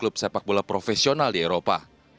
klub sepak bola profesional di eropa